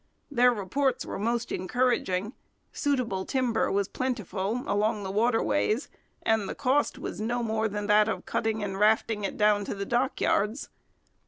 Their reports were most encouraging. Suitable timber was plentiful along the waterways, and the cost was no more than that of cutting and rafting it down to the dockyards.